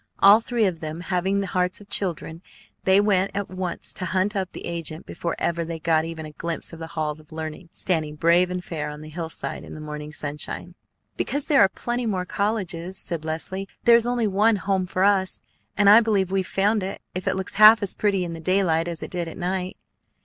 All three of them having the hearts of children, they went at once to hunt up the agent before ever they got even a glimpse of the halls of learning standing brave and fair on the hillside in the morning sunshine. "Because there are plenty more colleges," said Leslie; "but there is only one home for us, and I believe we've found it, if it looks half as pretty in the daylight as it did at night."